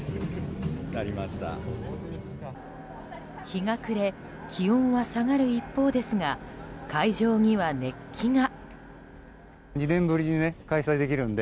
日が暮れ気温は下がる一方ですが会場には熱気が。